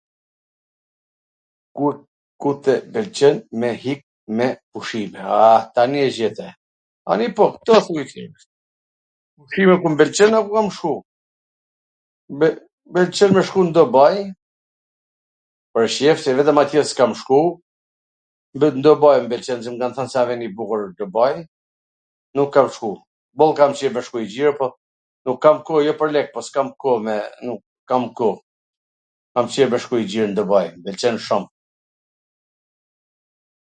Ku tw pwlqen me hik me pushime? Aaa, tani e gjete. Tani po, ktu asht kyCi. Pushime ku m pwlqen a ku kam shku? M pwlqen me shku n Dubai, pwr qef se vetwm atje s kam shku, dhe n Dubaj m pwlqen se m kan thwn sa vend i bukur wsht Dubai, nuk kam shku, boll kam qef me shku njw xhiro, por nuk kam koh, jo pwr , po s kam koh, nuk kam koh